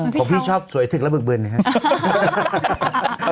ผมพี่ชอบสวยทึกและบึกบึนนะครับ